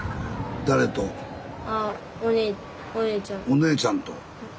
お姉ちゃんと。